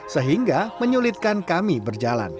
sehingga menyulitkan kami berjalan